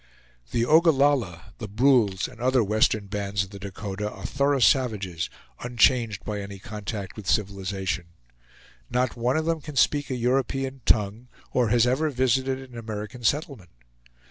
The Ogallalla, the Brules, and other western bands of the Dakota, are thorough savages, unchanged by any contact with civilization. Not one of them can speak a European tongue, or has ever visited an American settlement.